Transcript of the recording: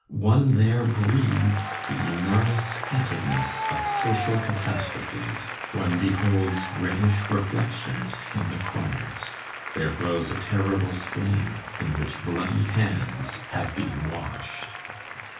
One there breathes the enormous fetidness of social catastrophes. One beholds reddish reflections in the corners. There flows a terrible stream, in which bloody hands have been washed.